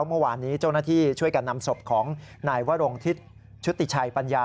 เมื่อวานนี้เจ้าหน้าที่ช่วยกันนำศพของนายวรงทิศชุติชัยปัญญา